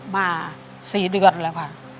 มา๔เดือนแล้วค่ะ